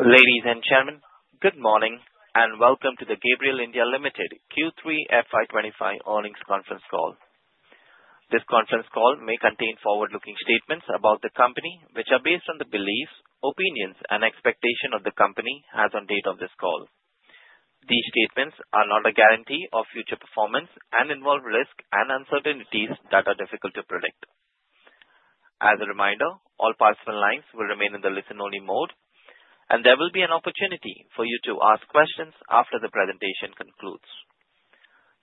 Ladies and gentlemen, good morning and welcome to the Gabriel India Limited Q3 FY25 earnings conference call. This conference call may contain forward-looking statements about the company, which are based on the beliefs, opinions, and expectations of the company as of the date of this call. These statements are not a guarantee of future performance and involve risks and uncertainties that are difficult to predict. As a reminder, all participant lines will remain in the listen-only mode, and there will be an opportunity for you to ask questions after the presentation concludes.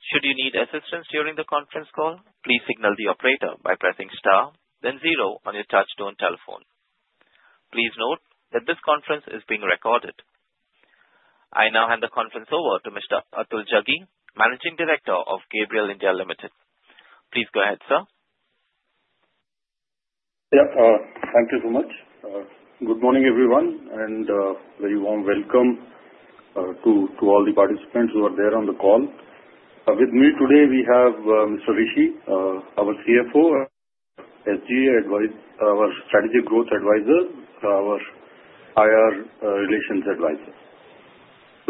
Should you need assistance during the conference call, please signal the operator by pressing star, then zero on your touch-tone telephone. Please note that this conference is being recorded. I now hand the conference over to Mr. Atul Jaggi, Managing Director of Gabriel India Limited. Please go ahead, sir. Yep, thank you so much. Good morning, everyone, and a very warm welcome to all the participants who are there on the call. With me today, we have Mr. Rishi, our CFO, SGA Advisor, our Strategic Growth Advisor, our IR Relations Advisor.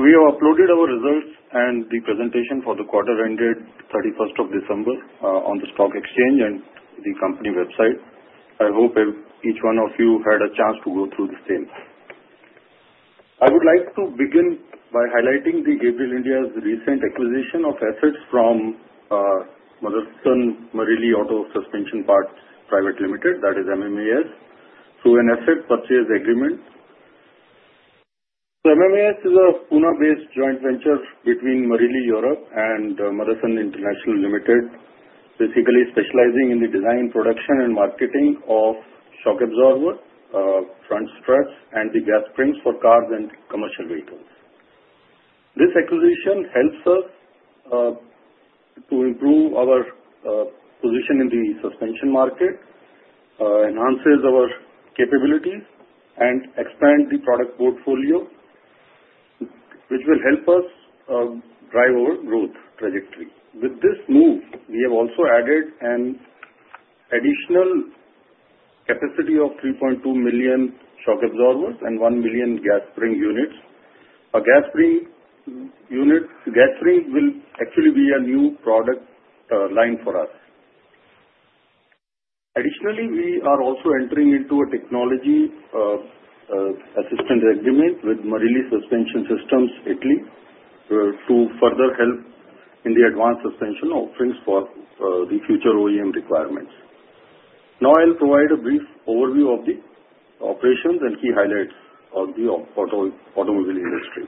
We have uploaded our results and the presentation for the quarter ended 31st of December on the stock exchange and the company website. I hope each one of you had a chance to go through the same. I would like to begin by highlighting the Gabriel India's recent acquisition of assets from Motherson Marelli Auto Suspension Parts Private Limited, that is MMAS. So, an asset purchase agreement. So, MMAS is a Pune-based joint venture between Marelli Europe and Motherson International Limited, basically specializing in the design, production, and marketing of shock absorber, front struts, and the gas springs for cars and commercial vehicles. This acquisition helps us to improve our position in the suspension market, enhances our capabilities, and expands the product portfolio, which will help us drive our growth trajectory. With this move, we have also added an additional capacity of 3.2 million shock absorbers and 1 million gas spring units. A gas spring unit, gas springs will actually be a new product line for us. Additionally, we are also entering into a technology assistance agreement with Marelli Suspension Systems Italy to further help in the advanced suspension offerings for the future OEM requirements. Now, I'll provide a brief overview of the operations and key highlights of the automobile industry.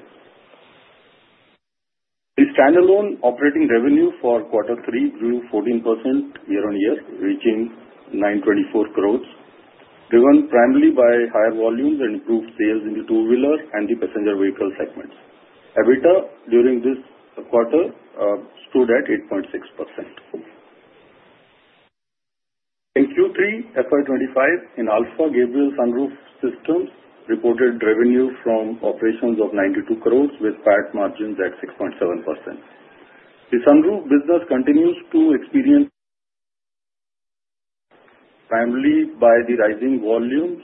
The standalone operating revenue for quarter three grew 14% year-on-year, reaching 924 crores, driven primarily by higher volumes and improved sales in the two-wheeler and the passenger vehicle segments. EBITDA during this quarter stood at 8.6%. In Q3 FY25, Inalfa Gabriel Sunroof Systems reported revenue from operations of 92 crores, with PAT margins at 6.7%. The Sunroof business continues to experience, primarily by the rising volumes,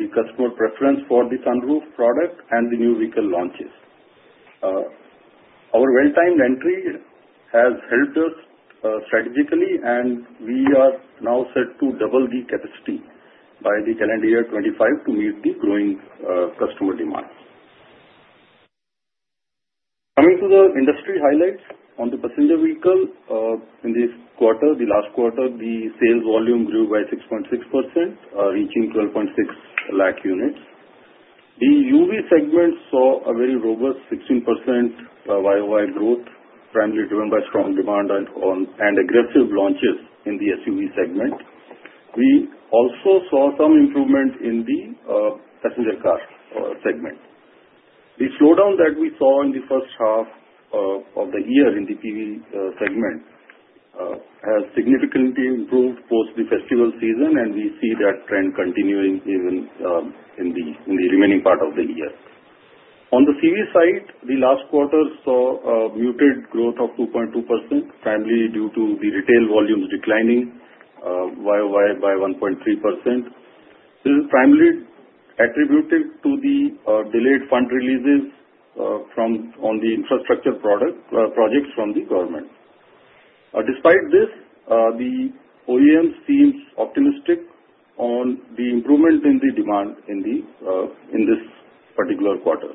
the customer preference for the Sunroof product and the new vehicle launches. Our well-timed entry has helped us strategically, and we are now set to double the capacity by the calendar year 2025 to meet the growing customer demand. Coming to the industry highlights on the passenger vehicle, in this quarter, the last quarter, the sales volume grew by 6.6%, reaching 12.6 lakh units. The UV segment saw a very robust 16% YOY growth, primarily driven by strong demand and aggressive launches in the SUV segment. We also saw some improvement in the passenger car segment. The slowdown that we saw in the first half of the year in the PV segment has significantly improved post the festival season, and we see that trend continuing even in the remaining part of the year. On the CV side, the last quarter saw a muted growth of 2.2%, primarily due to the retail volumes declining YOY by 1.3%. This is primarily attributed to the delayed fund releases on the infrastructure projects from the government. Despite this, the OEMs seem optimistic on the improvement in the demand in this particular quarter.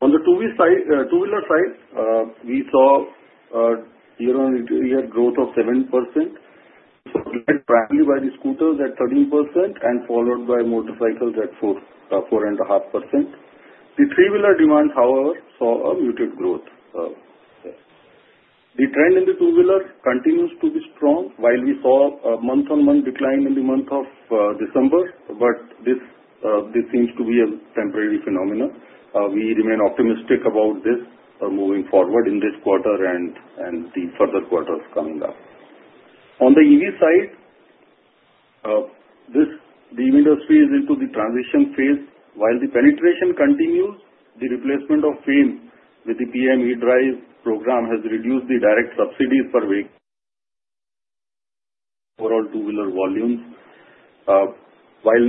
On the two-wheeler side, we saw year-on-year growth of 7%, supplied primarily by the scooters at 13% and followed by motorcycles at 4.5%. The three-wheeler demand, however, saw a muted growth. The trend in the two-wheeler continues to be strong, while we saw a month-on-month decline in the month of December, but this seems to be a temporary phenomenon. We remain optimistic about this moving forward in this quarter and the further quarters coming up. On the EV side, the EV industry is into the transition phase. While the penetration continues, the replacement of FAME with the PM E-DRIVE program has reduced the direct subsidies for vehicles for all two-wheeler volumes, while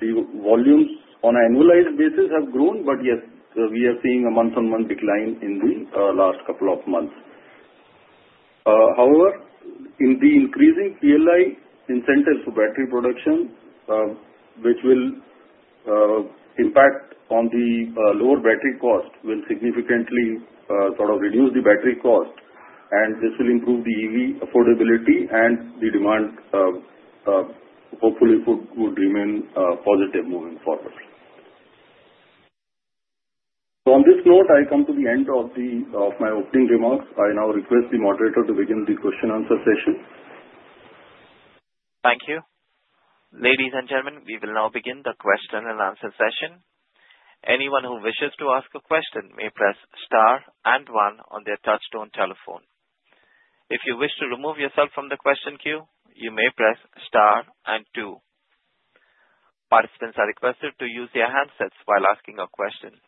the volumes on an annualized basis have grown. But yes, we are seeing a month-on-month decline in the last couple of months. However, in the increasing PLI incentives for battery production, which will impact on the lower battery cost, will significantly sort of reduce the battery cost, and this will improve the EV affordability, and the demand hopefully would remain positive moving forward. So, on this note, I come to the end of my opening remarks. I now request the moderator to begin the question-answer session. Thank you. Ladies and gentlemen, we will now begin the question-and-answer session. Anyone who wishes to ask a question may press star and one on their touch-tone telephone. If you wish to remove yourself from the question queue, you may press star and two. Participants are requested to use their handsets while asking a question.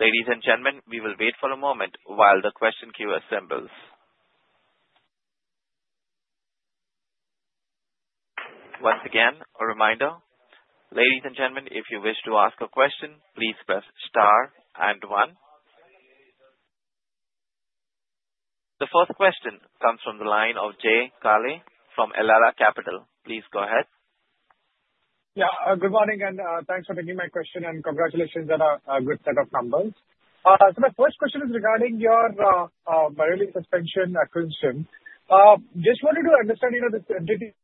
Ladies and gentlemen, we will wait for a moment while the question queue assembles. Once again, a reminder, ladies and gentlemen, if you wish to ask a question, please press star and one. The first question comes from the line of Jay Kale from Elara Capital. Please go ahead. Yeah, good morning and thanks for taking my question and congratulations on a good set of numbers. So, my first question is regarding your Marelli suspension acquisition. Just wanted to understand, you know, this entity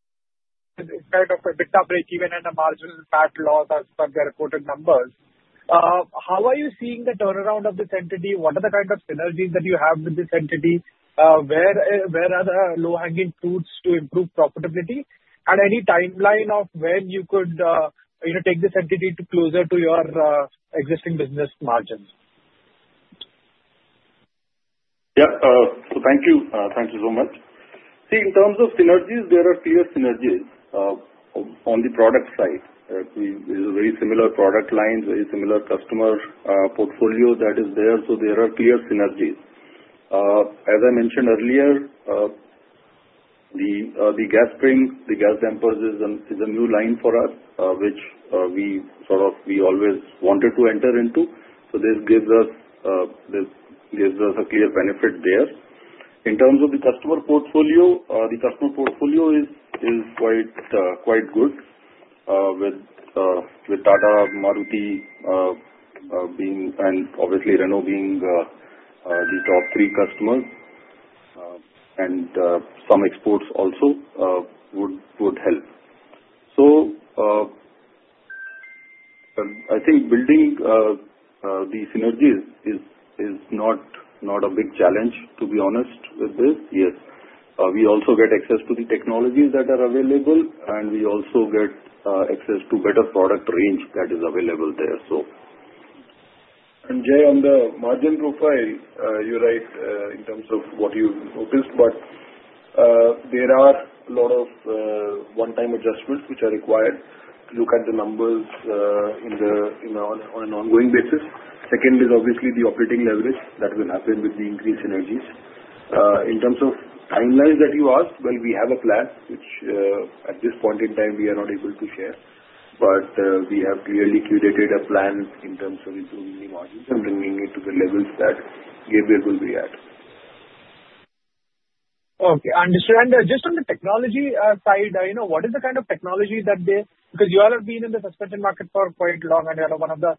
is kind of a bit of a break even and a margin of flat loss as per the reported numbers. How are you seeing the turn around of this entity? What are the kind of synergies that you have with this entity? Where are the low-hanging fruits to improve profitability? And any timeline of when you could, you know, take this entity closer to your existing business margins? Yep, so thank you. Thank you so much. See, in terms of synergies, there are clear synergies on the product side. There's a very similar product line, very similar customer portfolio that is there. So, there are clear synergies. As I mentioned earlier, the gas spring, the gas dampers is a new line for us, which we sort of always wanted to enter into. So, this gives us a clear benefit there. In terms of the customer portfolio, the customer portfolio is quite good, with Tata, Maruti being and obviously Renault being the top three customers. And some exports also would help. So, I think building the synergies is not a big challenge, to be honest, with this. Yes, we also get access to the technologies that are available, and we also get access to better product range that is available there. So. Jay, on the margin profile, you're right in terms of what you noticed, but there are a lot of one-time adjustments which are required to look at the numbers on an ongoing basis. Second is obviously the operating leverage that will happen with the increased synergies. In terms of timelines that you asked, well, we have a plan, which at this point in time we are not able to share, but we have clearly curated a plan in terms of improving the margins and bringing it to the levels that Gabriel will be at. Okay, I understand. Just on the technology side, you know, what is the kind of technology that they, because you all have been in the suspension market for quite long and you're one of the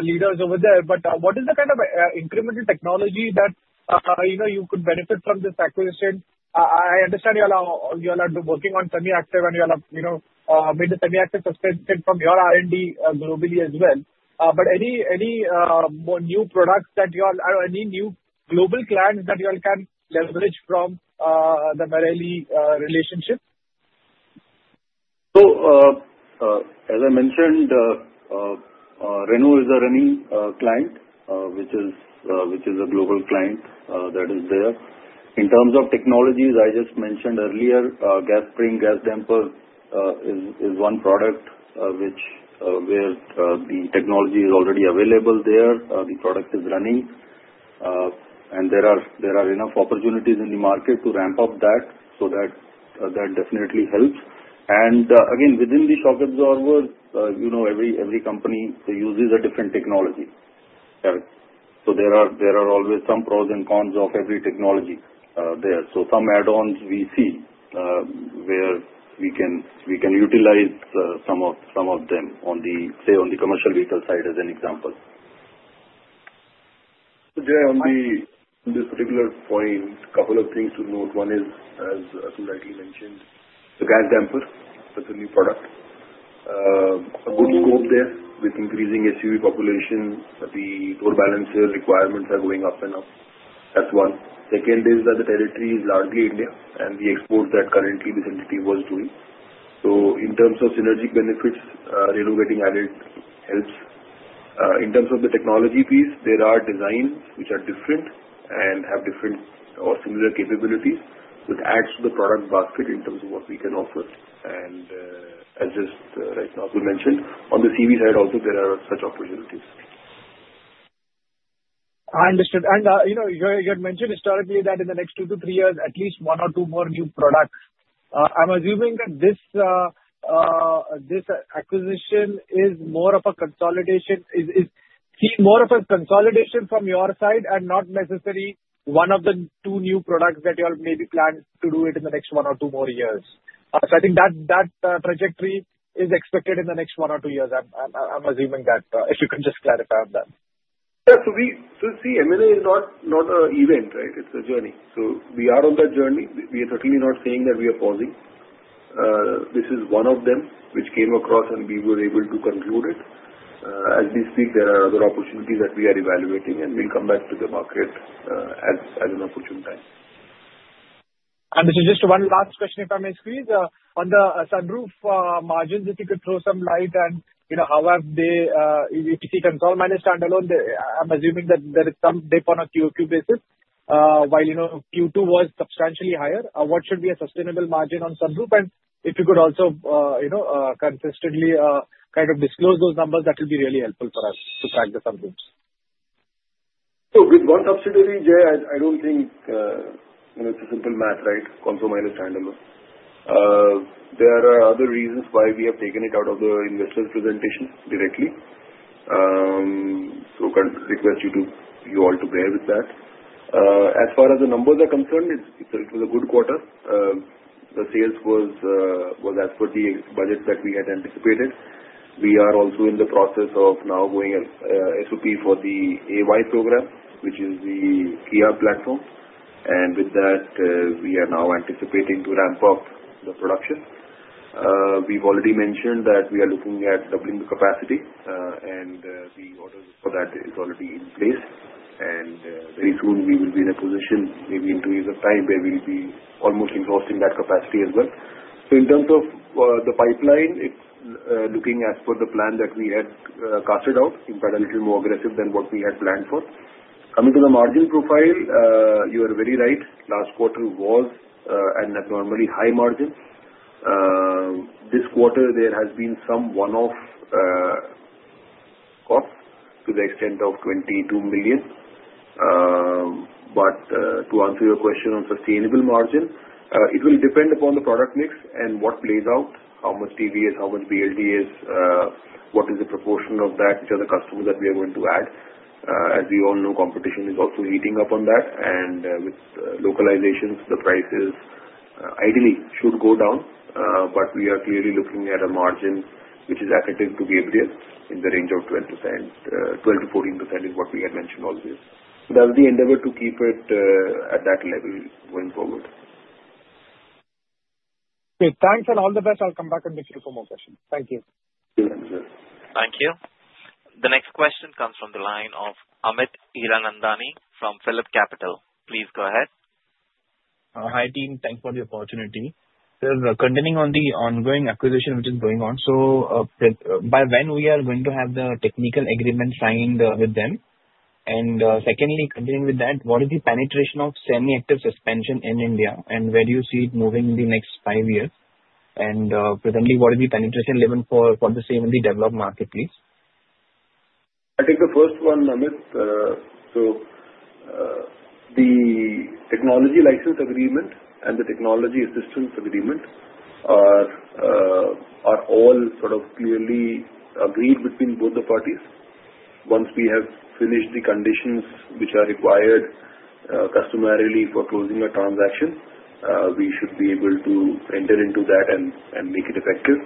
leaders over there, but what is the kind of incremental technology that you could benefit from this acquisition? I understand you all are working on Semi-active and you all have made the Semi-active suspension from your R&D globally as well. But any new products that you all, any new global clients that you all can leverage from the Marelli relationship? As I mentioned, Renault is a running client, which is a global client that is there. In terms of technologies, I just mentioned earlier, gas spring, gas damper is one product where the technology is already available there. The product is running, and there are enough opportunities in the market to ramp up that, so that definitely helps. Again, within the shock absorber, you know, every company uses a different technology. So, there are always some pros and cons of every technology there. Some add-ons we see where we can utilize some of them on the, say, on the commercial vehicle side as an example. Jay, on this particular point, a couple of things to note. One is, as Atul rightly mentioned, the gas damper is a new product. A good scope there with increasing SUV population. The door balancer requirements are going up and up. That's one. Second is that the territory is largely India, and the exports that currently this entity was doing. So, in terms of synergistic benefits, Renault getting added helps. In terms of the technology piece, there are designs which are different and have different or similar capabilities, which adds to the product basket in terms of what we can offer and adjust, as Atul mentioned. On the CV side also, there are such opportunities. I understood. And you had mentioned historically that in the next two to three years, at least one or two more new products. I'm assuming that this acquisition is more of a consolidation, see more of a consolidation from your side and not necessarily one of the two new products that you all maybe plan to do it in the next one or two more years. So, I think that trajectory is expected in the next one or two years. I'm assuming that, if you can just clarify on that? Yeah, so see, M&A is not an event, right? It's a journey. So, we are on that journey. We are certainly not saying that we are pausing. This is one of them which came across, and we were able to conclude it. As we speak, there are other opportunities that we are evaluating, and we'll come back to the market at an opportune time. This is just one last question, if I may squeeze. On the sunroof margins, if you could throw some light on how have the if you can sort of manage standalone, I'm assuming that there is some dip on a Q2 basis, while Q2 was substantially higher. What should be a sustainable margin on sunroof? And if you could also, you know, consistently kind of disclose those numbers, that will be really helpful for us to track the sunroofs. So, with one subsidiary, Jay, I don't think it's a simple math, right? Consolidated minus standalone. There are other reasons why we have taken it out of the investor's presentation directly. So, I request you all to bear with that. As far as the numbers are concerned, it was a good quarter. The sales was as per the budgets that we had anticipated. We are also in the process of now going SOP for the AY program, which is the Kia platform. And with that, we are now anticipating to ramp up the production. We've already mentioned that we are looking at doubling the capacity, and the orders for that are already in place. And very soon, we will be in a position, maybe in two years' time, where we'll be almost exhausting that capacity as well. In terms of the pipeline, it's looking as per the plan that we had cast out, in fact, a little more aggressive than what we had planned for. Coming to the margin profile, you are very right. Last quarter was an abnormally high margin. This quarter, there has been some one-off cost to the extent of 22 million. But to answer your question on sustainable margin, it will depend upon the product mix and what plays out, how much TV is, how much BLD is, what is the proportion of that, which are the customers that we are going to add. As we all know, competition is also heating up on that. And with localizations, the prices ideally should go down, but we are clearly looking at a margin which is attractive to Gabriel in the range of 12%-14% is what we had mentioned always. That's the endeavor to keep it at that level going forward. Okay, thanks and all the best. I'll come back and make a few more questions. Thank you. Thank you. Thank you. The next question comes from the line of Amit Hiranandani from Phillip Capital. Please go ahead. Hi team, thanks for the opportunity. Sir, continuing on the ongoing acquisition which is going on, so by when we are going to have the technical agreement signed with them? And secondly, continuing with that, what is the penetration of Semi-active suspension in India, and where do you see it moving in the next five years? And presently, what is the penetration level for the same in the developed market, please? I think the first one, Amit, so the Technology Assistance Agreement and the technology license agreement are all sort of clearly agreed between both the parties. Once we have finished the conditions which are required customarily for closing a transaction, we should be able to enter into that and make it effective.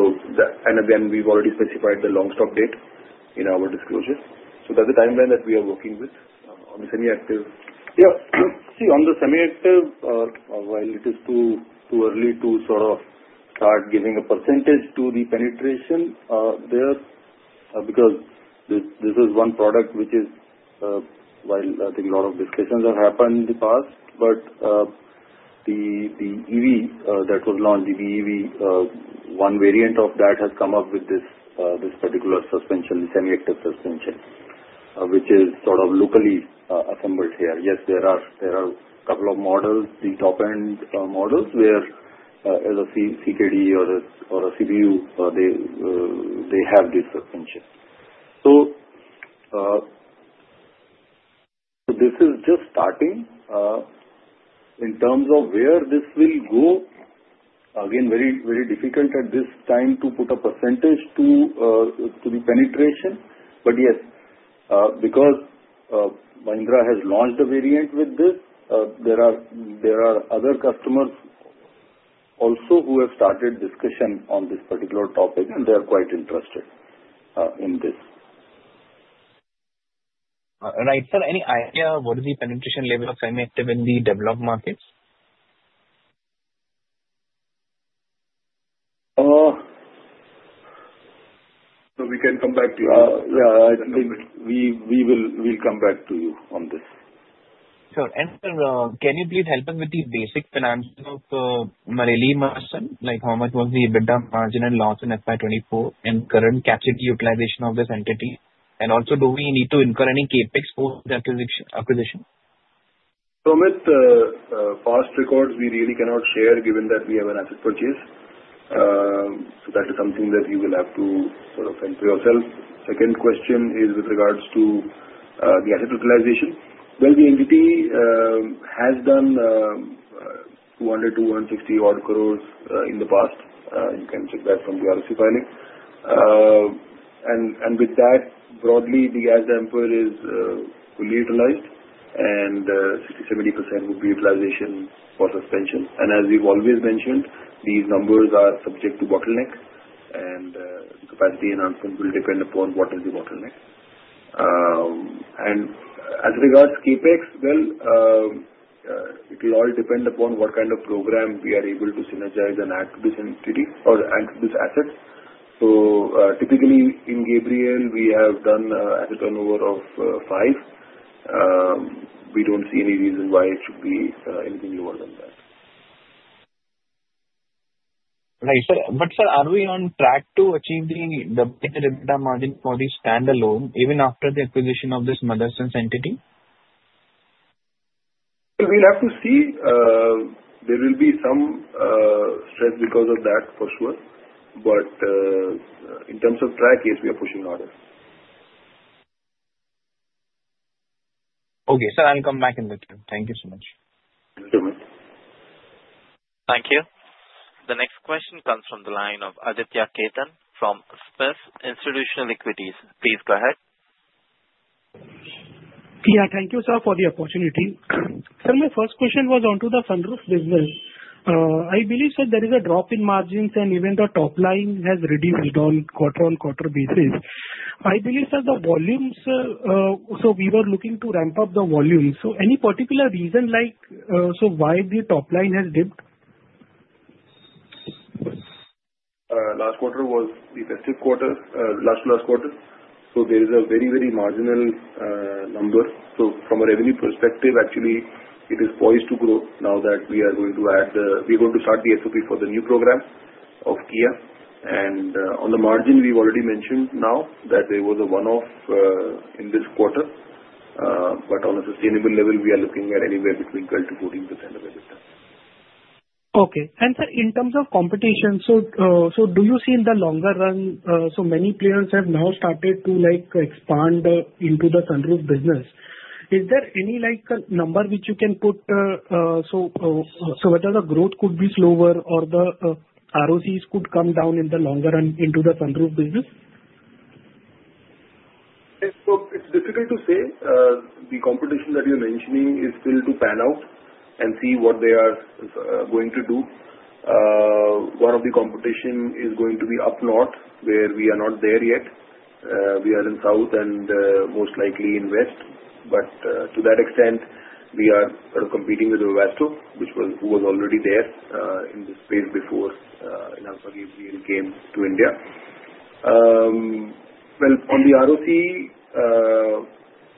So, and again, we've already specified the long stop date in our disclosure. So, that's the timeline that we are working with on the Semi-active. Yeah, see, on the Semi-active, while it is too early to sort of start giving a percentage to the penetration there, because this is one product which is, while I think a lot of discussions have happened in the past, but the EV that was launched, the BEV, one variant of that has come up with this particular suspension, the Semi-active suspension, which is sort of locally assembled here. Yes, there are a couple of models, the top-end models, where, as a CKD or a CBU, they have this suspension. So, this is just starting. In terms of where this will go, again, very difficult at this time to put a percentage to the penetration. But yes, because Mahindra has launched a variant with this, there are other customers also who have started discussion on this particular topic, and they are quite interested in this. Right. Sir, any idea what is the penetration level of Semi-active in the developed markets? We can come back to you. We will come back to you on this. Sure. And sir, can you please help us with the basic financials of Marelli Motherson? Like how much was the EBITDA margin and loss in FY24 and current capacity utilization of this entity? And also, do we need to incur any CapEx post-acquisition? Amit, past records we really cannot share given that we have an asset purchase. That is something that you will have to sort of enter yourself. Second question is with regards to the asset utilization. The entity has done 200 to 160 odd crores in the past. You can check that from the ROC filing. With that, broadly, the gas damper is fully utilized, and 60%-70% would be utilization for suspension. As we've always mentioned, these numbers are subject to bottleneck, and the capacity enhancement will depend upon what is the bottleneck. As regards CapEx, it will all depend upon what kind of program we are able to synergize and add to this entity or add to this asset. Typically in Gabriel, we have done an asset turnover of five. We don't see any reason why it should be anything lower than that. Right. Sir, but sir, are we on track to achieve the double the bid margin for the standalone even after the acquisition of this Motherson entity? We'll have to see. There will be some stress because of that for sure, but in terms of track, yes, we are pushing harder. Okay, sir, I'll come back and let you know. Thank you so much. Thank you, Amit. Thank you. The next question comes from the line of Aditya Khetan from SMIFS Institutional Equities. Please go ahead. Yeah, thank you, sir, for the opportunity. Sir, my first question was onto the Sunroof business. I believe, sir, there is a drop in margins, and even the top line has reduced on quarter-on-quarter basis. I believe, sir, the volumes, so we were looking to ramp up the volumes. So, any particular reason like why the top line has dipped? Last quarter was the festive quarter, last last quarter. So, there is a very, very marginal number. So, from a revenue perspective, actually, it is poised to grow now that we are going to add the—we are going to start the SOP for the new program of Kia. And on the margin, we've already mentioned now that there was a one-off in this quarter. But on a sustainable level, we are looking at anywhere between 12%-14% of everything. Okay. And, sir, in terms of competition, so do you see in the longer run, so many players have now started to expand into the sunroof business? Is there any number which you can put? So, whether the growth could be slower or the ROCs could come down in the longer run into the sunroof business? It's difficult to say. The competition that you're mentioning is still to pan out and see what they are going to do. One of the competitions is going to be up north, where we are not there yet. We are in South and most likely in West. But to that extent, we are sort of competing with Webasto, which was already there in the space before it came to India. On the ROC,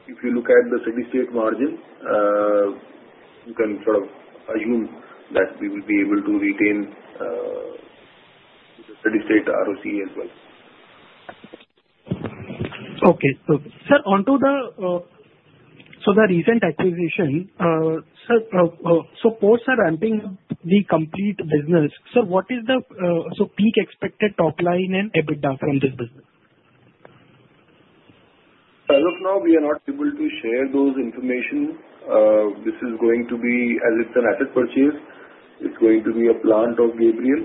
if you look at the steady-state margin, you can sort of assume that we will be able to retain the steady-state ROC as well. Okay. Sir, onto the recent acquisition, sir. So parts are ramping up the complete business. Sir, what is the peak expected top line and EBITDA from this business? Look, now we are not able to share those information. This is going to be, as it's an asset purchase, it's going to be a plant of Gabriel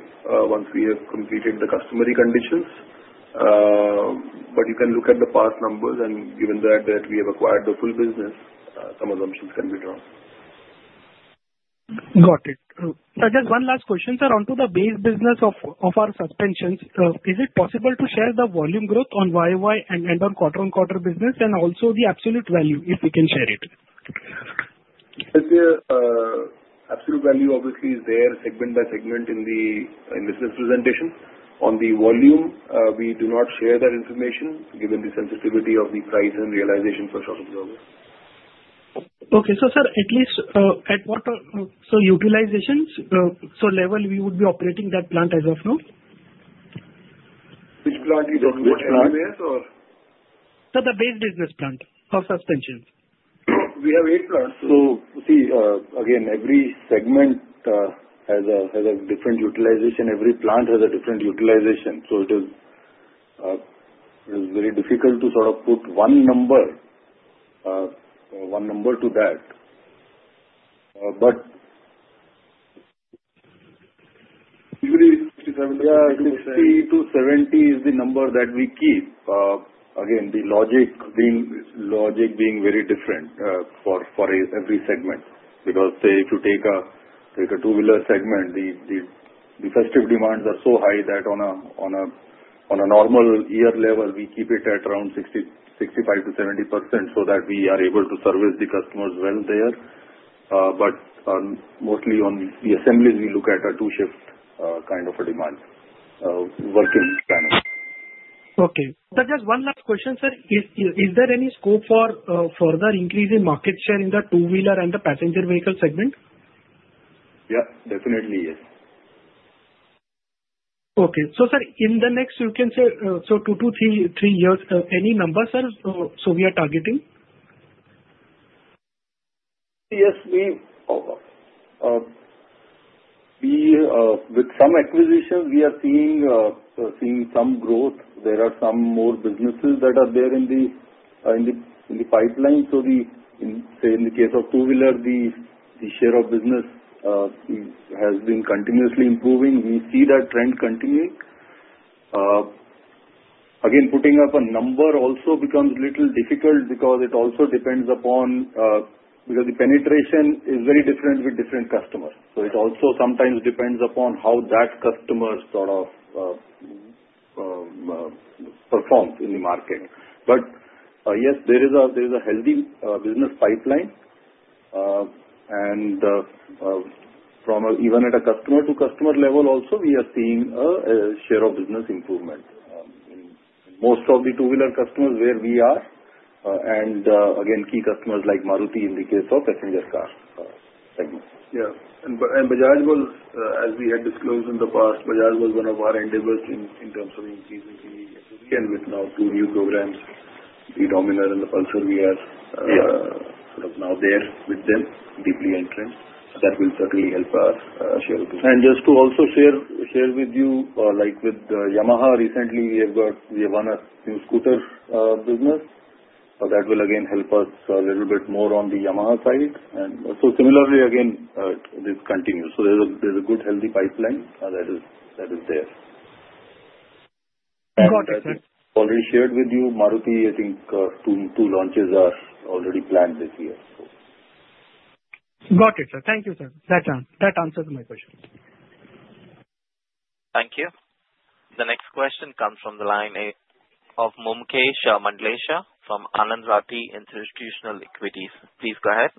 once we have completed the customary conditions. But you can look at the past numbers, and given that we have acquired the full business, some assumptions can be drawn. Got it. Sir, just one last question, sir. Onto the base business of our suspensions, is it possible to share the volume growth on YOY and on quarter-on-quarter business, and also the absolute value if we can share it? Absolute value, obviously, is there segment by segment in this presentation. On the volume, we do not share that information given the sensitivity of the price and realization for short-term growth. Okay. So, sir, at least at what utilization level we would be operating that plant as of now? Which plant? You don't know which plant it is, or? Sir, the base business plan of suspensions. We have eight plants. So, see, again, every segment has a different utilization. Every plant has a different utilization. So, it is very difficult to sort of put one number to that. But usually, 60%-70% is the number that we keep. Again, the logic being very different for every segment. Because, say, if you take a two-wheeler segment, the festive demands are so high that on a normal year level, we keep it at around 65%-70% so that we are able to service the customers well there. But mostly on the assemblies, we look at a two-shift kind of a demand working plan. Okay. Sir, just one last question, sir. Is there any scope for further increase in market share in the two-wheeler and the passenger vehicle segment? Yeah, definitely, yes. Okay. So, sir, in the next, you can say, so two to three years, any number, sir, so we are targeting? Yes. With some acquisitions, we are seeing some growth. There are some more businesses that are there in the pipeline. So, say, in the case of two-wheeler, the share of business has been continuously improving. We see that trend continuing. Again, putting up a number also becomes a little difficult because it also depends upon, because the penetration is very different with different customers. So, it also sometimes depends upon how that customer sort of performs in the market. But yes, there is a healthy business pipeline. And even at a customer to customer level also, we are seeing a share of business improvement in most of the two-wheeler customers where we are, and again, key customers like Maruti in the case of passenger car segment. Yeah.And Bajaj, as we had disclosed in the past, Bajaj was one of our endeavors in terms of increasing the, and with now two new programs, the Dominar and the Pulsar, we are sort of now there with them deeply entering. That will certainly help our share of business. And just to also share with you, like with Yamaha, recently we have won a new scooter business. That will again help us a little bit more on the Yamaha side. And so, similarly, again, this continues. So, there's a good healthy pipeline that is there. Got it, sir. I think I've already shared with you. Maruti, I think two launches are already planned this year. Got it, sir. Thank you, sir. That answers my question. Thank you. The next question comes from the line of Mumuksh Mandlesha from Anand Rathi Institutional Equities. Please go ahead.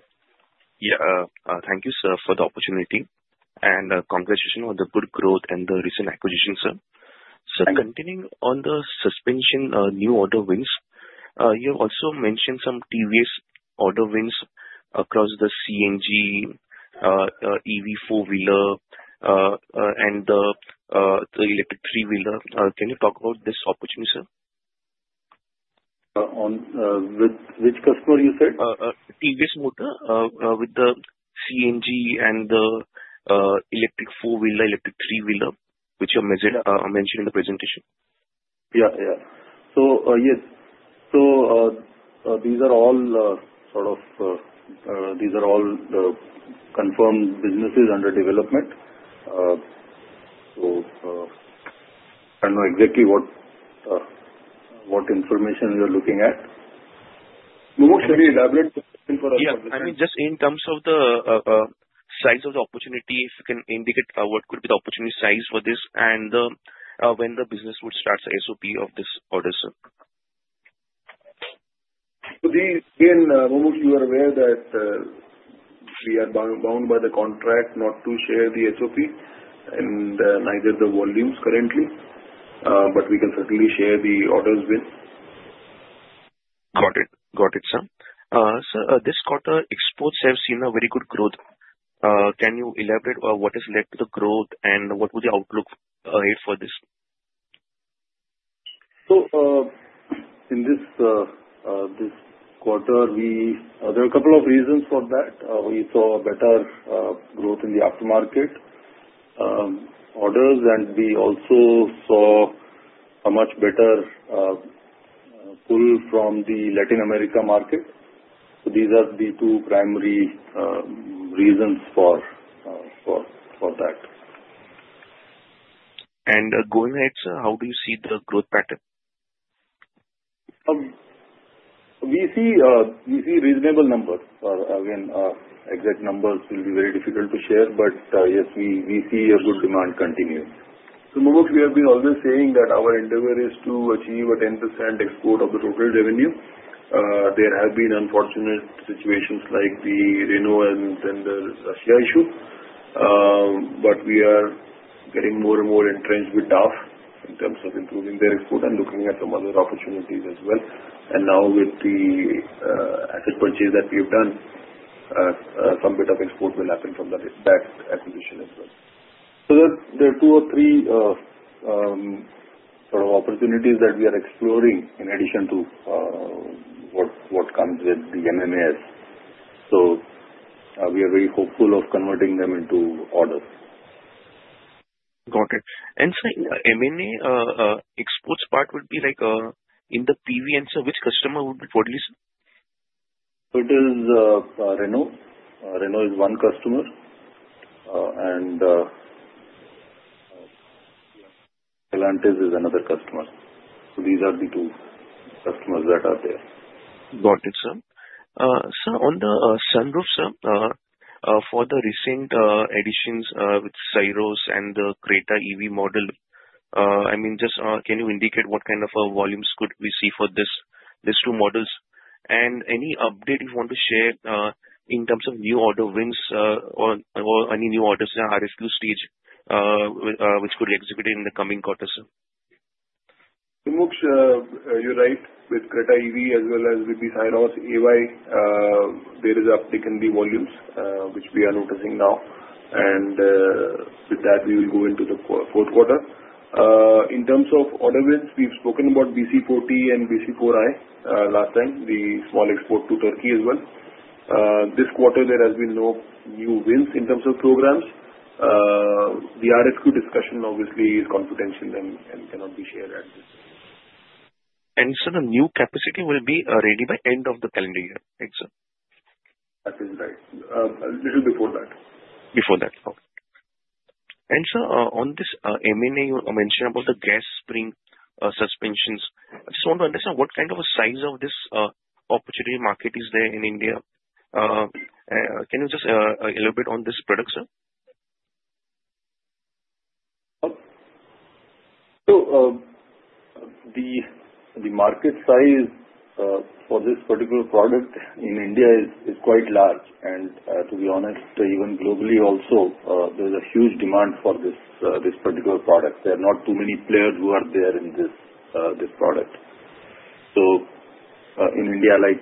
Yeah. Thank you, sir, for the opportunity. And congratulations on the good growth and the recent acquisition, sir. Sir, continuing on the suspension new order wins, you have also mentioned some tremendous order wins across the CNG, EV four-wheeler, and the electric three-wheeler. Can you talk about this opportunity, sir? With which customer you said? TVS Motor with the CNG and the electric four-wheeler, electric three-wheeler, which you mentioned in the presentation. Yeah, yeah. So, yes. So, these are all sort of, these are all confirmed businesses under development. So, I don't know exactly what information you're looking at. Mumuksh, can you elaborate for us? Yeah. I mean, just in terms of the size of the opportunity, if you can indicate what could be the opportunity size for this and when the business would start the SOP of this order, sir? Again, Mumuksh, you are aware that we are bound by the contract not to share the SOP and neither the volumes currently. But we can certainly share the orders with. Got it. Got it, sir. Sir, this quarter exports have seen a very good growth. Can you elaborate what has led to the growth and what was the outlook ahead for this? So, in this quarter, there are a couple of reasons for that. We saw a better growth in the aftermarket orders, and we also saw a much better pull from the Latin America market. So, these are the two primary reasons for that. Going ahead, sir, how do you see the growth pattern? We see reasonable numbers. Again, exact numbers will be very difficult to share. But yes, we see a good demand continue. So, Mumuksh, we have been always saying that our endeavor is to achieve a 10% export of the total revenue. There have been unfortunate situations like the Renault and then the Russia issue. But we are getting more and more entrenched with DAF in terms of improving their export and looking at some other opportunities as well. And now, with the asset purchase that we have done, some bit of export will happen from that acquisition as well. So, there are two or three sort of opportunities that we are exploring in addition to what comes with the MMAS. So, we are very hopeful of converting them into orders. Got it. And sir, M&A exports part would be in the PVN, sir, which customer would be totally, sir? It is Renault. Renault is one customer. And Stellantis is another customer. So, these are the two customers that are there. Got it, sir. Sir, on the sunroof, sir, for the recent additions with Syros and the Creta EV model, I mean, just can you indicate what kind of volumes could we see for these two models? And any update you want to share in terms of new order wins or any new orders in the RFQ stage which could be executed in the coming quarter, sir? Mumuksh, you're right. With Creta EV as well as with the Syros EV, there is uptick in the volumes which we are noticing now, and with that, we will go into the fourth quarter. In terms of order wins, we've spoken about BC4T and BC4I last time, the small export to Turkey as well. This quarter, there has been no new wins in terms of programs. The RFQ discussion, obviously, is confidential and cannot be shared at this. Sir, the new capacity will be ready by end of the calendar year, right, sir? That is right. A little before that. Before that. Okay. And sir, on this MMAS, you mentioned about the gas spring suspensions. I just want to understand what kind of a size of this opportunity market is there in India. Can you just elaborate on this product, sir? The market size for this particular product in India is quite large. To be honest, even globally also, there is a huge demand for this particular product. There are not too many players who are there in this product. In India, like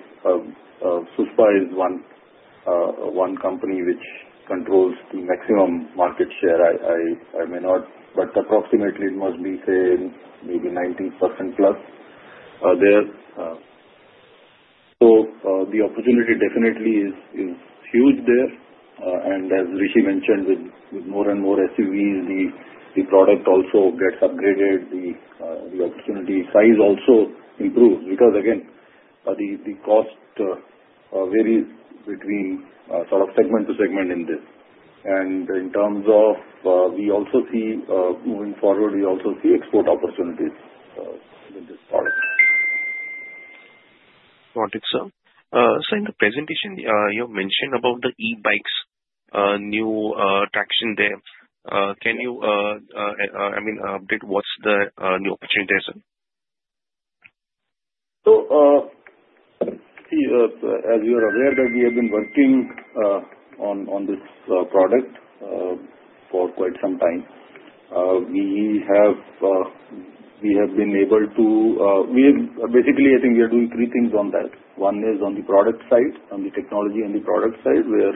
SUSPA is one company which controls the maximum market share. I may not, but approximately it must be, say, maybe 90% plus there. The opportunity definitely is huge there. As Rishi mentioned, with more and more SUVs, the product also gets upgraded. The opportunity size also improves because, again, the cost varies between sort of segment to segment in this. In terms of we also see moving forward, we also see export opportunities with this product. Got it, sir. Sir, in the presentation, you have mentioned about the E-bikes, new traction there. Can you, I mean, update what's the new opportunity there, sir? So, as you are aware, we have been working on this product for quite some time. We have been able to basically, I think we are doing three things on that. One is on the product side, on the technology and the product side, where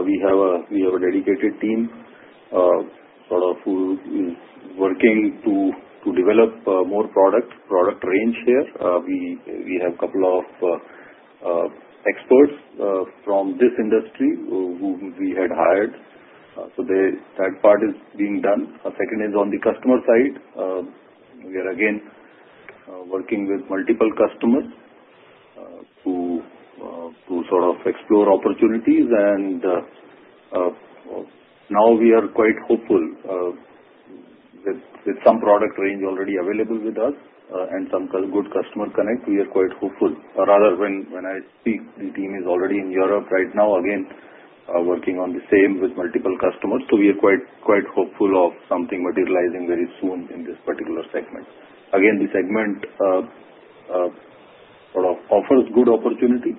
we have a dedicated team sort of who is working to develop more product range here. We have a couple of experts from this industry who we had hired. So, that part is being done. Second is on the customer side. We are, again, working with multiple customers to sort of explore opportunities. And now we are quite hopeful with some product range already available with us and some good customer connect. We are quite hopeful. Rather, when I speak, the team is already in Europe right now, again, working on the same with multiple customers. So, we are quite hopeful of something materializing very soon in this particular segment. Again, the segment sort of offers good opportunity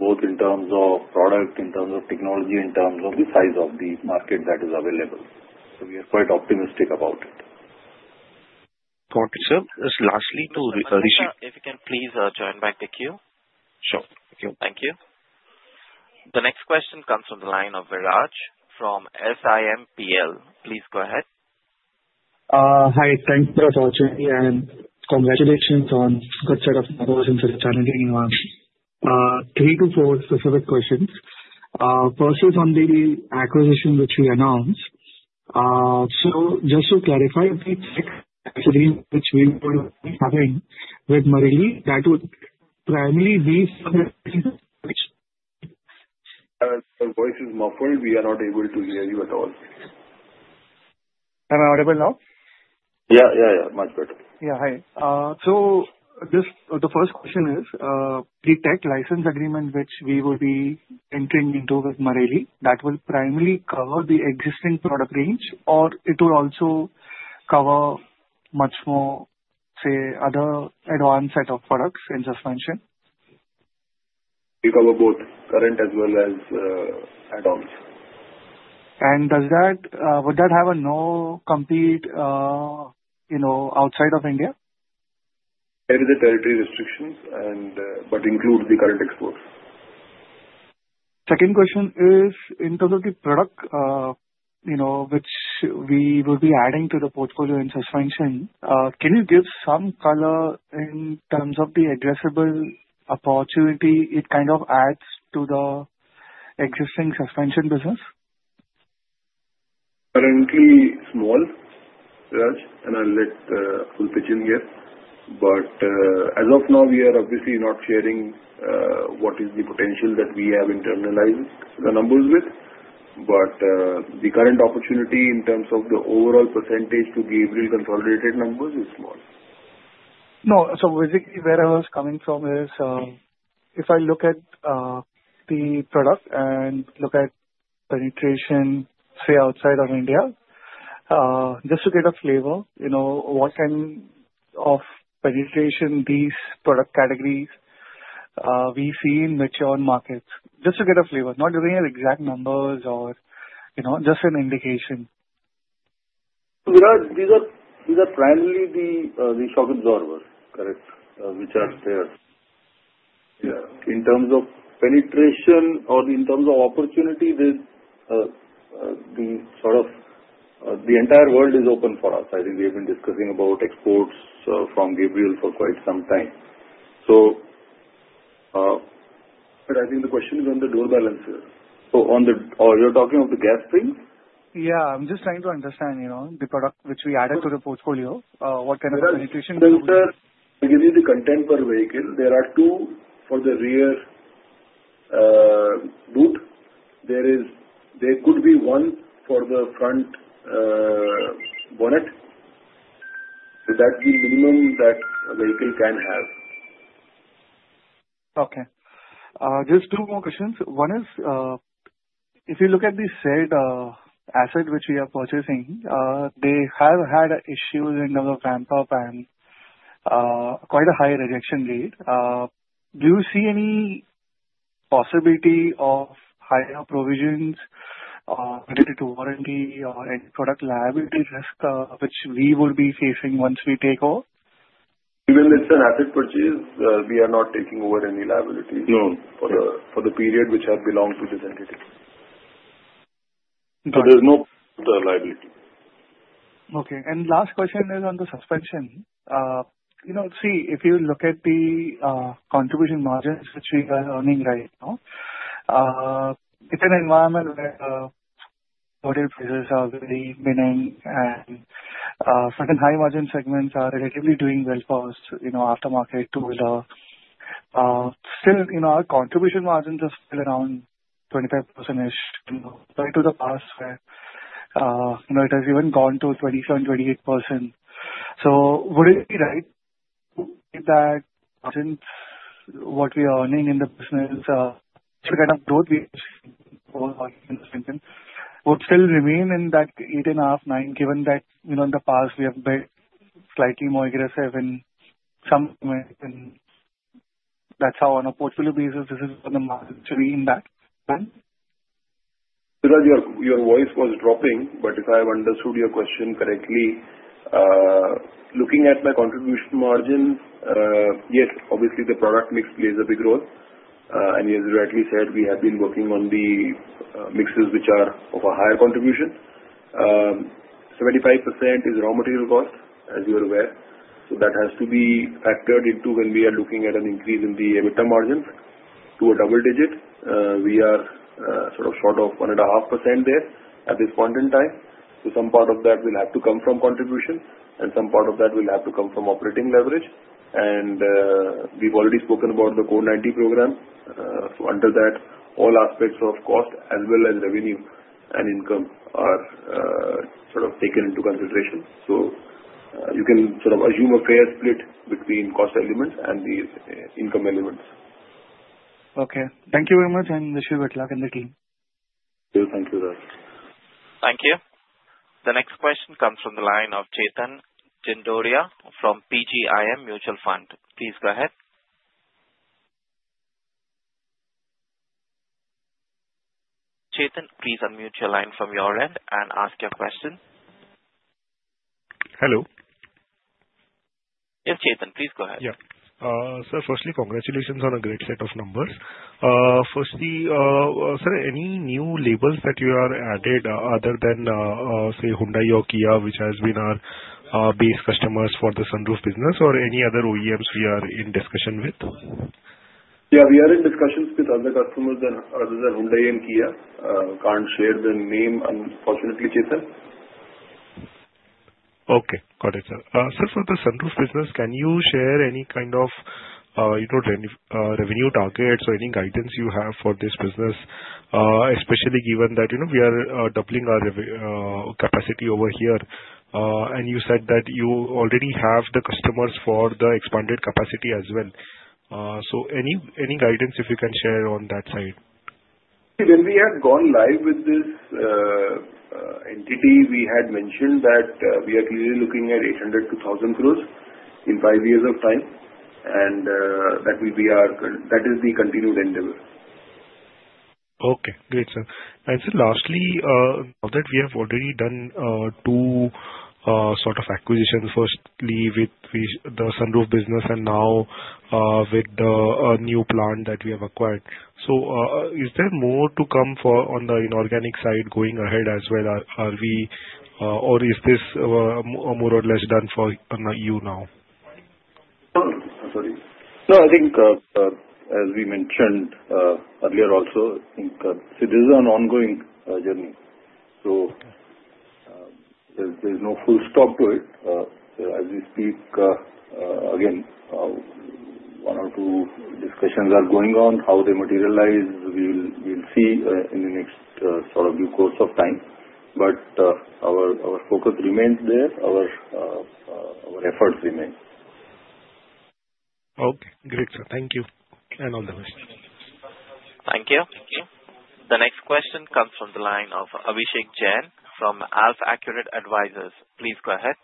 both in terms of product, in terms of technology, in terms of the size of the market that is available. So, we are quite optimistic about it. Got it, sir. Lastly, to Rishi. If you can please join back the queue. Sure. Thank you. Thank you. The next question comes from the line of Bajaj from SIMPL. Please go ahead. Hi. Thanks for the opportunity. And congratulations on a good set of numbers in such a challenging environment. Three to four specific questions. First is on the acquisition which we announced. So, just to clarify, the tech transfer which we would be having with Maruti, that would primarily be for. The voice is muffled. We are not able to hear you at all. Am I audible now? Yeah, yeah, yeah. Much better. Yeah. Hi. The first question is the tech license agreement which we will be entering into with Maruti, that will primarily cover the existing product range, or it will also cover much more, say, other advanced set of products in suspension? We cover both current as well as advanced. Would that have a non-compete outside of India? There is a territory restriction, but include the current exports. Second question is in terms of the product which we will be adding to the portfolio in suspension, can you give some color in terms of the addressable opportunity it kind of adds to the existing suspension business? Currently small, Raj, and I'll let Rishi in here. But as of now, we are obviously not sharing what is the potential that we have internalized the numbers with. But the current opportunity in terms of the overall percentage to be really consolidated numbers is small. No. So, basically, where I was coming from is if I look at the product and look at penetration, say, outside of India, just to get a flavor, what kind of penetration these product categories we see in which markets? Just to get a flavor. Not giving you exact numbers or just an indication. Raj, these are primarily the shock absorber, correct, which are there. Yeah. In terms of penetration or in terms of opportunity, the sort of the entire world is open for us. I think we have been discussing about exports from Gabriel for quite some time. So, but I think the question is on the door balancer. So, you're talking of the gas spring? Yeah. I'm just trying to understand the product which we added to the portfolio, what kind of penetration we will? Sir, I'll give you the content per vehicle. There are two for the rear boot. There could be one for the front bonnet. That's the minimum that a vehicle can have. Okay. Just two more questions. One is, if you look at the said asset which we are purchasing, they have had issues in terms of ramp-up and quite a high rejection rate. Do you see any possibility of higher provisions related to warranty or any product liability risk which we would be facing once we take over? Even if it's an asset purchase, we are not taking over any liability No, for the period which has belonged to this entity. So, there's no liability. Okay. And last question is on the suspension. So, if you look at the contribution margins which we are earning right now, it's an environment where total prices are very minimal, and certain high-margin segments are relatively doing well for us, aftermarket too. Still, our contribution margins are still around 25%-ish compared to the past where it has even gone to 27%-28%. So, would it be right that what we are earning in the business, the kind of growth we are seeing overall in this region, would still remain in that 8.5%-9%, given that in the past, we have been slightly more aggressive in some ways. And that's how, on a portfolio basis, this is going to remain that. Raj, your voice was dropping, but if I have understood your question correctly, looking at my contribution margins, yes, obviously, the product mix plays a big role, and as you rightly said, we have been working on the mixes which are of a higher contribution. 75% is raw material cost, as you are aware, so that has to be factored into when we are looking at an increase in the EBITDA margins to a double digit. We are sort of short of 1.5% there at this point in time, so some part of that will have to come from contribution, and some part of that will have to come from operating leverage, and we've already spoken about the CORE-90 program, so under that, all aspects of cost as well as revenue and income are sort of taken into consideration. So, you can sort of assume a fair split between cost elements and the income elements. Okay. Thank you very much, and Rishi Luharuka and the team. Thank you, Raj. Thank you. The next question comes from the line of Chetan Gindodia from PGIM Mutual Fund. Please go ahead. Chetan, please unmute your line from your end and ask your question. Hello. Yes, Chetan, please go ahead. Yeah. Sir, firstly, congratulations on a great set of numbers. Firstly, sir, any new labels that you have added other than, say, Hyundai or Kia, which has been our base customers for the Sunroof business, or any other OEMs we are in discussion with? Yeah. We are in discussions with other customers other than Hyundai and Kia. Can't share the name, unfortunately, Chetan. Okay. Got it, sir. Sir, for the sunroof business, can you share any kind of revenue targets or any guidance you have for this business, especially given that we are doubling our capacity over here? And you said that you already have the customers for the expanded capacity as well. So, any guidance if you can share on that side? When we had gone live with this entity, we had mentioned that we are clearly looking at 800-1,000 crores in five years of time, and that will be our, that is, the continued endeavor. Okay. Great, sir. And sir, lastly, now that we have already done two sort of acquisitions, firstly with the Sunroof business and now with the new plant that we have acquired, so is there more to come on the inorganic side going ahead as well? Or is this more or less done for you now? Sorry. No, I think, as we mentioned earlier also, I think this is an ongoing journey. So, there's no full stop to it. As we speak, again, one or two discussions are going on. How they materialize, we'll see in the next sort of few course of time. But our focus remains there. Our efforts remain. Okay. Great, sir. Thank you and all the best. Thank you. The next question comes from the line of Abhishek Jain from AlfAccurate Advisors. Please go ahead.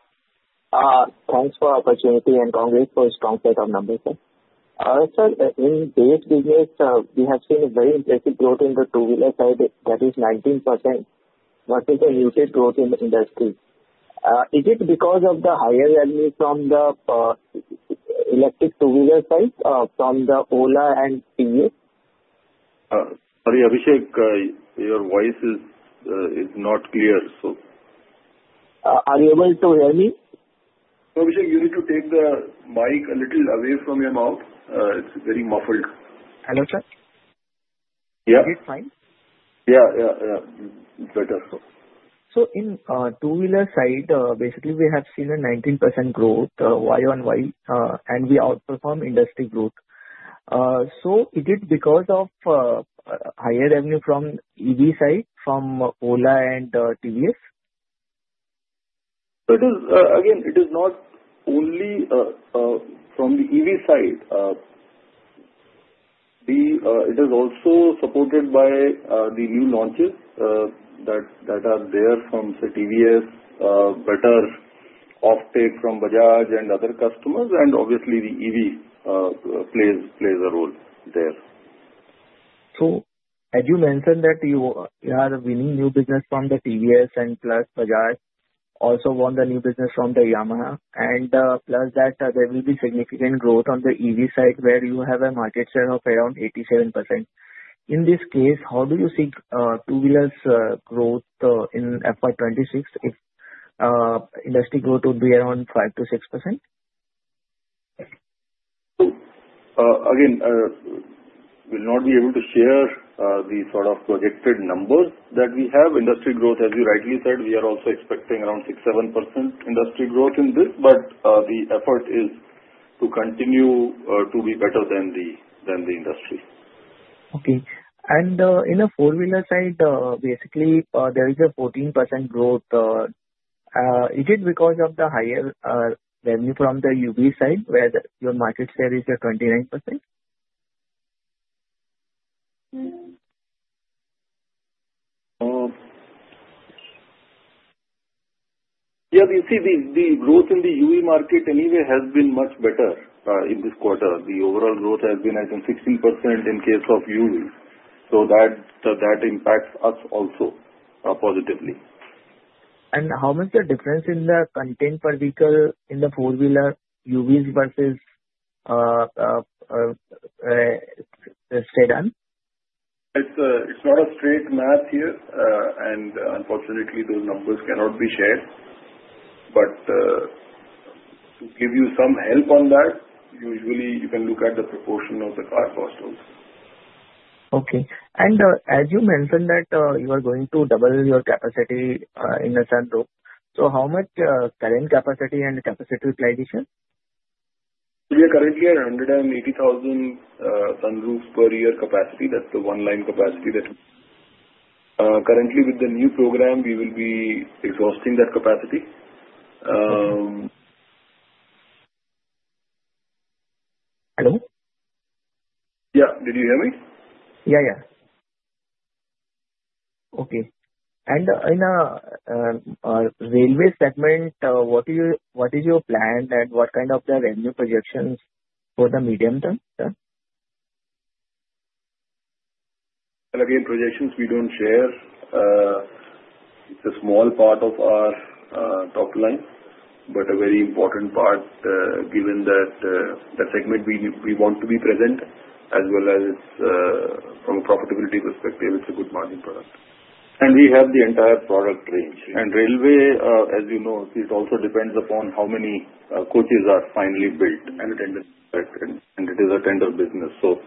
Thanks for the opportunity and congrats for this strong set of numbers, sir. Sir, in the base business, we have seen a very impressive growth in the two-wheeler side. That is 19% versus the muted growth in the industry. Is it because of the higher revenue from the electric two-wheeler side from the Ola and TVS? Sorry, Abhishek, your voice is not clear, so. Are you able to hear me? Abhishek, you need to take the mic a little away from your mouth. It's very muffled. Hello, sir? Yeah? Is it fine? Yeah, yeah, yeah. It's better, so. So, in the two-wheeler side, basically, we have seen a 19% growth Y on Y, and we outperform industry growth. So, is it because of higher revenue from EV side, from Ola and TVS? Again, it is not only from the EV side. It is also supported by the new launches that are there from TVS, better offtake from Bajaj and other customers. And obviously, the EV plays a role there. So, as you mentioned that you are winning new business from the TVS and plus Bajaj also won the new business from the Yamaha. And plus that, there will be significant growth on the EV side where you have a market share of around 87%. In this case, how do you see two-wheelers growth in FY26 if industry growth would be around 5%-6%? Again, we'll not be able to share the sort of projected numbers that we have. Industry growth, as you rightly said, we are also expecting around 6%-7% industry growth in this. But the effort is to continue to be better than the industry. Okay. And in the four-wheeler side, basically, there is a 14% growth. Is it because of the higher revenue from the UV side where your market share is 29%? Yeah. You see, the growth in the UV market anyway has been much better in this quarter. The overall growth has been, I think, 16% in case of UV. So that impacts us also positively. How much is the difference in the content per vehicle in the four-wheeler UVs versus sedan? It's not a straight math here. And unfortunately, those numbers cannot be shared. But to give you some help on that, usually, you can look at the proportion of the car costs. Okay. And as you mentioned that you are going to double your capacity in the Sunroof, so how much current capacity and capacity utilization? We are currently at 180,000 sunroofs per year capacity. That's the one-line capacity that currently, with the new program, we will be exhausting that capacity. Hello? Yeah. Did you hear me? Yeah, yeah. Okay. And in the railway segment, what is your plan and what kind of revenue projections for the medium term, sir? Well, again, projections we don't share. It's a small part of our top line, but a very important part given that the segment we want to be present, as well as from a profitability perspective, it's a good margin product. And we have the entire product range. And railway, as you know, it also depends upon how many coaches are finally built. And it is a tender business. So,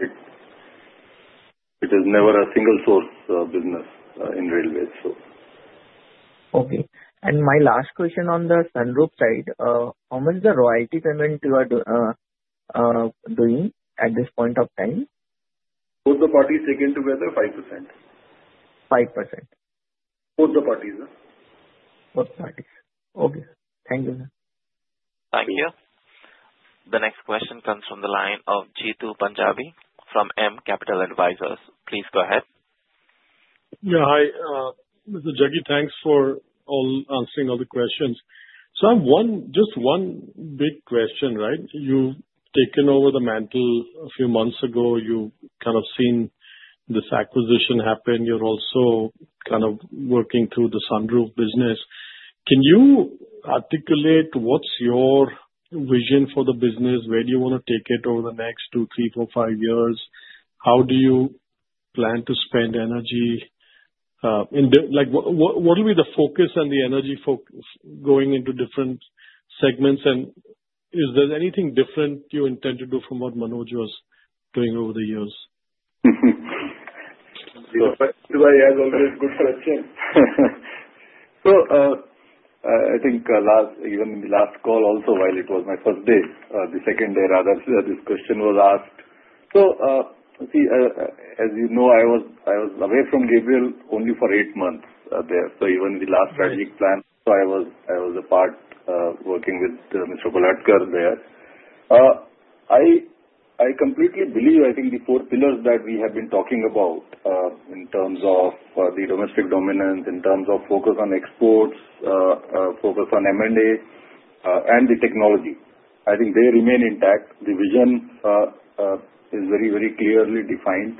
it is never a single source business in railways, so. Okay. And my last question on the Sunroof side, how much is the royalty payment you are doing at this point of time? Both the parties taken together, 5%. 5%. Both the parties, sir. Both parties. Okay. Thank you, sir. Thank you. The next question comes from the line of Jeetu Panjabi from EM Capital Advisors. Please go ahead. Yeah. Hi, Mr. Jaggi. Thanks for answering all the questions. Sir, just one big question, right? You've taken over the mantle a few months ago. You've kind of seen this acquisition happen. You're also kind of working through the Sunroof business. Can you articulate what's your vision for the business? Where do you want to take it over the next two, three, four, five years? How do you plan to spend energy? What will be the focus and the energy focus going into different segments? And is there anything different you intend to do from what Manoj was doing over the years? Jeetu brother has always good questions. So, I think even in the last call also, while it was my first day, the second day rather, this question was asked. So, as you know, I was away from Gabriel only for eight months there. So, even the last strategic plan, I was a part working with Mr. Kolhatkar there. I completely believe, I think, the four pillars that we have been talking about in terms of the domestic dominance, in terms of focus on exports, focus on M&A, and the technology. I think they remain intact. The vision is very, very clearly defined.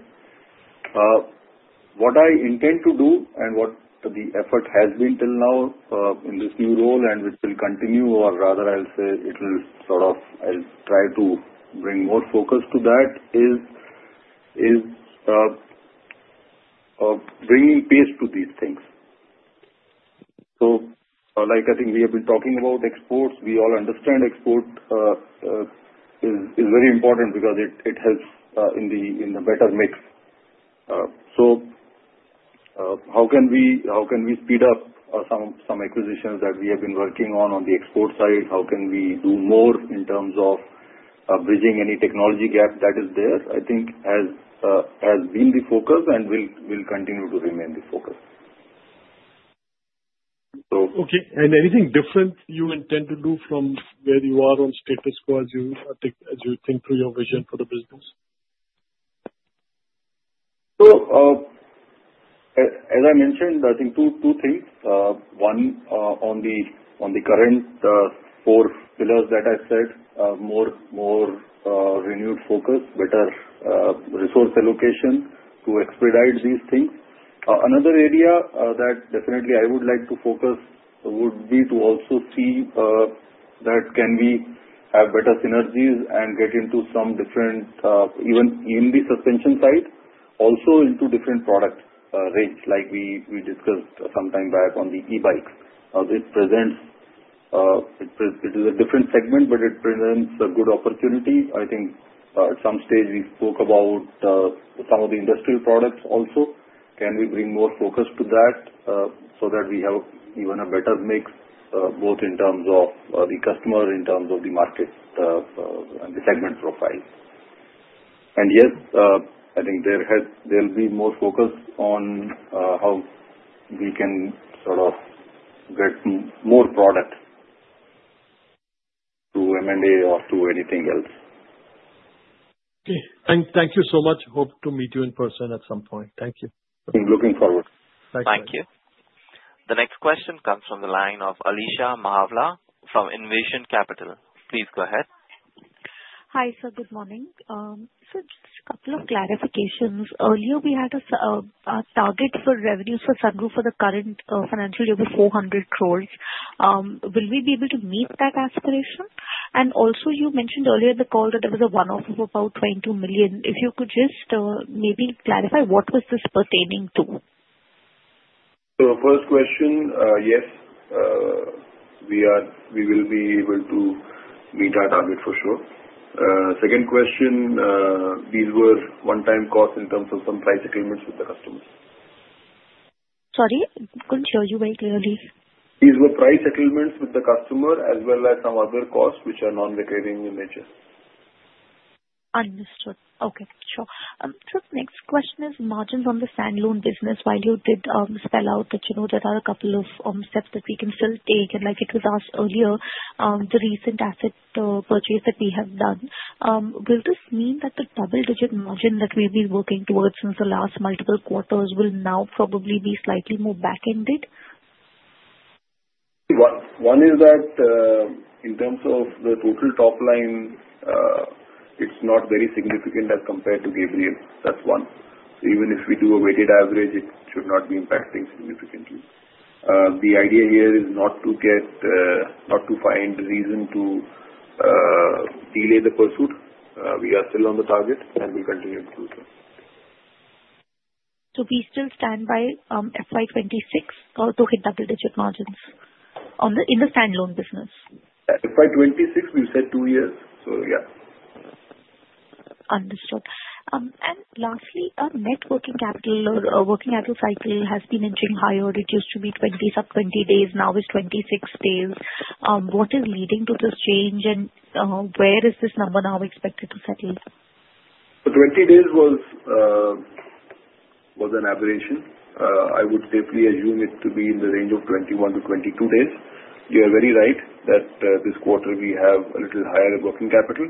What I intend to do and what the effort has been till now in this new role and which will continue, or rather, I'll say it will sort of try to bring more focus to that, is bringing focus to these things. So, I think we have been talking about exports. We all understand export is very important because it helps in the better mix. So, how can we speed up some acquisitions that we have been working on on the export side? How can we do more in terms of bridging any technology gap that is there? I think has been the focus and will continue to remain the focus. Okay, and anything different you intend to do from where you are on status quo as you think through your vision for the business? So, as I mentioned, I think two things. One, on the current four pillars that I said, more renewed focus, better resource allocation to expedite these things. Another area that definitely I would like to focus would be to also see that can we have better synergies and get into some different, even in the suspension side, also into different product range? Like we discussed sometime back on the e-bikes. It is a different segment, but it presents a good opportunity. I think at some stage, we spoke about some of the industrial products also. Can we bring more focus to that so that we have even a better mix both in terms of the customer, in terms of the market, and the segment profile? And yes, I think there will be more focus on how we can sort of get more product to M&A or to anything else. Okay. Thank you so much. Hope to meet you in person at some point. Thank you. Looking forward. Thank you. The next question comes from the line of Alisha Mahawla from Envision Capital. Please go ahead. Hi, sir. Good morning. Sir, just a couple of clarifications. Earlier, we had a target for revenue for sunroof for the current financial year of 400 crores. Will we be able to meet that aspiration? And also, you mentioned earlier in the call that there was a one-off of about 22 million. If you could just maybe clarify, what was this pertaining to? So, first question, yes, we will be able to meet our target for sure. Second question, these were one-time costs in terms of some price settlements with the customers. Sorry? Couldn't hear you very clearly. These were price settlements with the customer as well as some other costs which are non-recurring in nature. Understood. Okay. Sure. Sir, next question is margins on the standalone business. While you did spell out that there are a couple of steps that we can still take, and like it was asked earlier, the recent asset purchase that we have done, will this mean that the double-digit margin that we've been working towards since the last multiple quarters will now probably be slightly more back-ended? One is that in terms of the total top line, it's not very significant as compared to Gabriel. That's one. Even if we do a weighted average, it should not be impacting significantly. The idea here is not to find a reason to delay the pursuit. We are still on the target and will continue to do so. We still stand by FY26 to hit double-digit margins in the standalone business? FY 26, we've said two years. So, yeah. Understood. And lastly, net working capital or working capital cycle has been entering higher. It used to be 20 sub-20 days. Now it's 26 days. What is leading to this change? And where is this number now expected to settle? So, 20 days was an aberration. I would safely assume it to be in the range of 21 to 22 days. You are very right that this quarter we have a little higher working capital.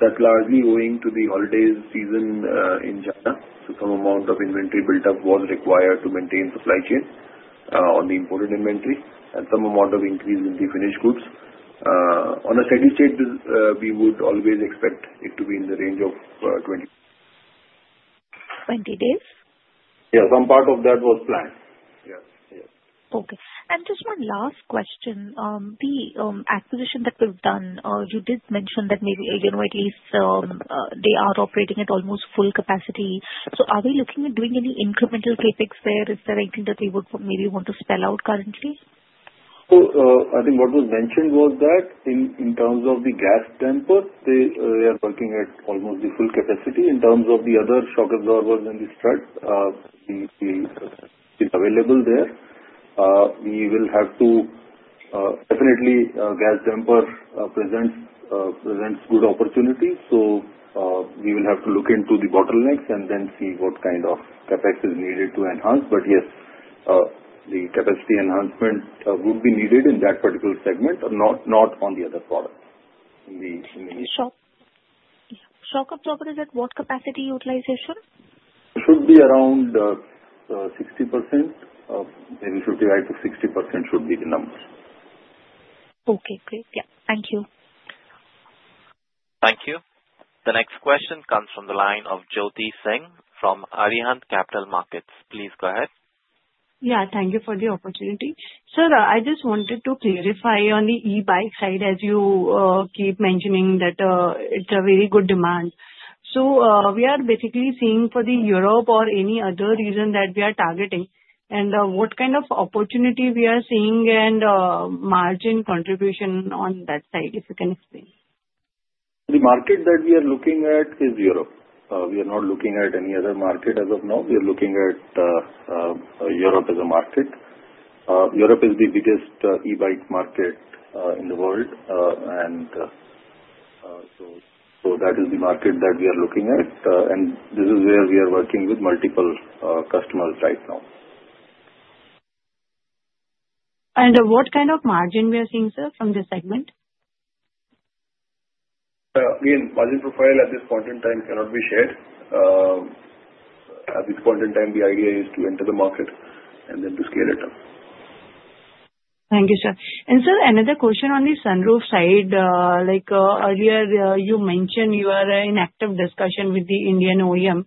That's largely owing to the holiday season in China. So, some amount of inventory build-up was required to maintain supply chain on the imported inventory and some amount of increase in the finished goods. On a steady state, we would always expect it to be in the range of 20. 20 days? Yeah. Some part of that was planned. Yes, yes. Okay. And just one last question. The acquisition that we've done, you did mention that maybe at least they are operating at almost full capacity. So, are we looking at doing any incremental CapEx there? Is there anything that we would maybe want to spell out currently? I think what was mentioned was that in terms of the gas damper, they are working at almost the full capacity. In terms of the other shock absorbers and the struts, it's available there. Gas damper presents good opportunity. We will have to look into the bottlenecks and then see what kind of Capex is needed to enhance. But yes, the capacity enhancement would be needed in that particular segment, not on the other products. Sure. Shock absorber is at what capacity utilization? Should be around 60%. Maybe 55%-60% should be the number. Okay. Great. Yeah. Thank you. Thank you. The next question comes from the line of Jyoti Singh from Arihant Capital Markets. Please go ahead. Yeah. Thank you for the opportunity. Sir, I just wanted to clarify on the e-bike side as you keep mentioning that it's a very good demand. So, we are basically seeing for the Europe or any other region that we are targeting. And what kind of opportunity we are seeing and margin contribution on that side, if you can explain? The market that we are looking at is Europe. We are not looking at any other market as of now. We are looking at Europe as a market. Europe is the biggest e-bike market in the world, and so, that is the market that we are looking at, and this is where we are working with multiple customers right now. What kind of margin we are seeing, sir, from this segment? Again, margin profile at this point in time cannot be shared. At this point in time, the idea is to enter the market and then to scale it up. Thank you, sir. And sir, another question on the sunroof side. Earlier, you mentioned you are in active discussion with the Indian OEM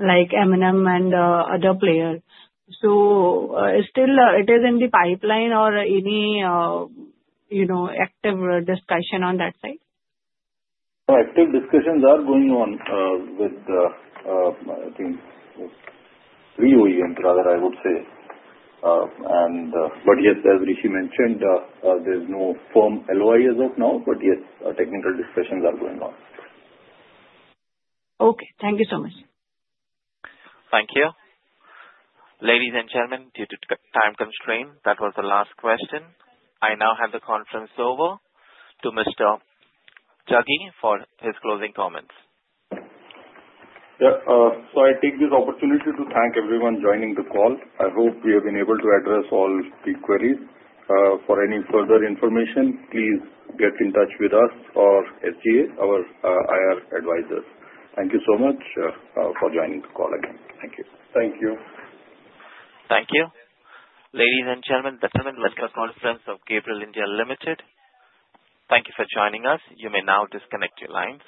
like M&M and other players. So, it is in the pipeline or any active discussion on that side? Active discussions are going on with, I think, three OEMs, rather, I would say. But yes, as Rishi mentioned, there's no firm LOI as of now, but yes, technical discussions are going on. Okay. Thank you so much. Thank you. Ladies and gentlemen, due to time constraint, that was the last question. I now hand the conference over to Mr. Jaggi for his closing comments. I take this opportunity to thank everyone joining the call. I hope we have been able to address all the queries. For any further information, please get in touch with us or SGA, our IR advisors. Thank you so much for joining the call again. Thank you. Thank you. Thank you. Ladies and gentlemen, the conference of Gabriel India Limited. Thank you for joining us. You may now disconnect your lines.